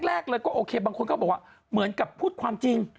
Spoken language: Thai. แรกเลยก็โอเคบางคนก็บอกว่าเหมือนกับพูดความจริง